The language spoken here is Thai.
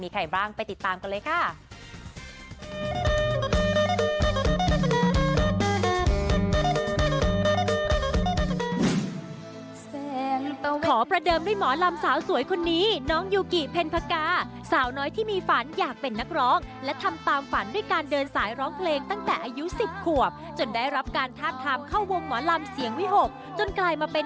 กันจะมีใครบ้างไปติดตามกันเลยค่ะ